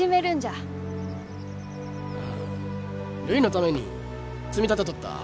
あるいのために積み立てとった金がある。